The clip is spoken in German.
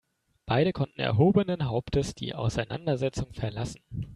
Beide konnten erhobenen Hauptes die Auseinandersetzung verlassen.